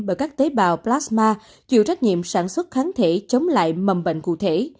bởi các tế bào plasma chịu trách nhiệm sản xuất kháng thể chống lại mầm bệnh cụ thể